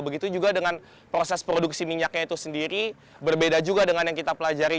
begitu juga dengan proses produksi minyaknya itu sendiri berbeda juga dengan yang kita pelajari